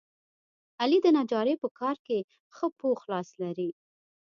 علي د نجارۍ په کار کې ښه پوخ لاس لري.